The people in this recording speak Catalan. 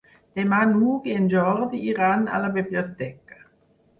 Demà n'Hug i en Jordi iran a la biblioteca.